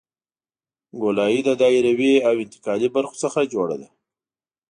ګولایي د دایروي او انتقالي برخو څخه جوړه ده